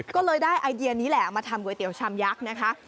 ก็เลยได้ไอเดียนี้แหละมาทำก๋วเตี๋ยชามยักษ์นะคะ